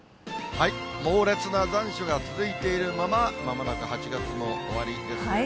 猛烈な残暑が続いているまま、まもなく８月も終わりですね。